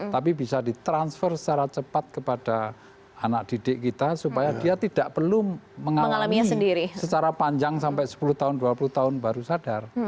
tapi bisa ditransfer secara cepat kepada anak didik kita supaya dia tidak perlu mengalami secara panjang sampai sepuluh tahun dua puluh tahun baru sadar